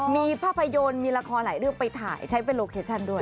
มีภาพยนตร์มีละครหลายเรื่องเป็นลโคเทชั่นด้วย